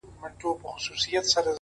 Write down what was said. زه د بـلا سـره خـبري كـوم.